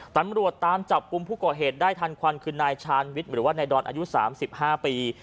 ตำรวจตามจับกลุ่มผู้ก่อเหตุได้ทันควันคือนายชาญวิทย์หรือว่านายดอนอายุ๓๕ปี